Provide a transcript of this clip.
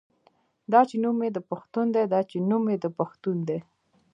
دا چې نوم مې د پښتون دے دا چې نوم مې د پښتون دے